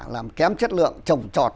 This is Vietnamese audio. làm kém chất lượng trồng trọt